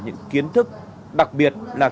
những kiến thức đặc biệt là